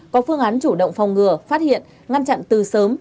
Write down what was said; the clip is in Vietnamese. có phương án chủ động phòng ngừa phát hiện ngăn chặn từ sớm